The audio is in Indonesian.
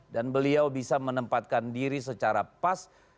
dan beliau bisa menempatkan diri secara pas